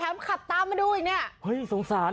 แถมขับตามไปดูเองเนี่ย